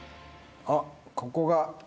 あっここが。